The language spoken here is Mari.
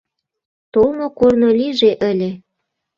Толмо корно лийже ыле.